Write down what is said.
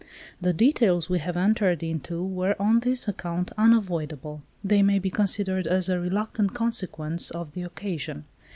The details we have entered into were on this account unavoidable; they may be considered as a reluctant consequence of the occasion.